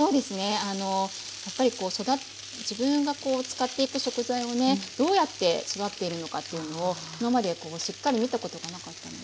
やっぱりこう自分が使っていく食材をねどうやって育てているのかというのを今までしっかり見たことがなかったので。